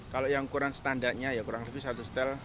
kalau yang ukuran standartnya ya kurang lebih satu setel